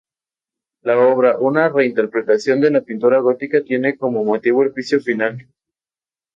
La obra, una reinterpretación de la pintura gótica, tiene como motivo el Juicio Final.